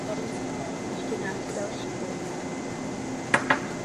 Ne každá pracovní pohotovost je však stejná.